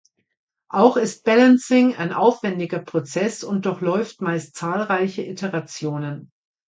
Auch ist Balancing ein aufwendiger Prozess und durchläuft meist zahlreiche Iterationen.